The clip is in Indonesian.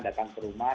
datang ke rumah